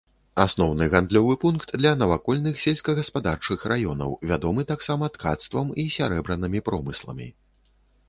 Асноўны гандлёвы пункт для навакольных сельскагаспадарчых раёнаў, вядомы таксама ткацтвам і сярэбранымі промысламі.